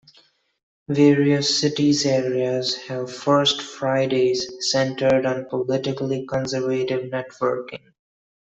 Various cities areas have First Fridays centered on politically conservative networking.